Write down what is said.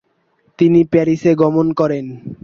তিনি প্যারিসে গমন করেন।